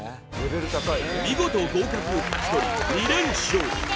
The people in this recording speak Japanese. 見事合格を勝ち取り２連勝